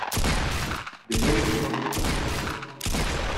The main crop is cotton.